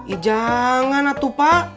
ih jangan atutis pak